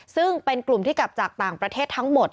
ซึ่งเป็นกลุ่มที่กลับจากต่างประเทศทั้งหมด